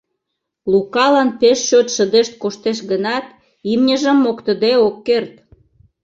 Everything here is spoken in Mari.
Лукалан пеш чот шыдешт коштеш гынат, имньыжым моктыде ок керт.